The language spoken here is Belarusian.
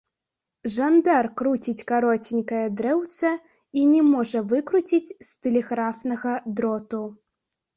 Жандар круціць кароценькае дрэўца і не можа выкруціць з тэлеграфнага дроту.